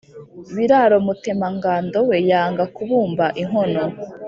Biraro Mutemangando we, yanga kubumba inkono,